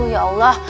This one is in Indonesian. aduh ya allah